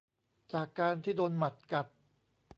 จากการที่โดนหมัดกัด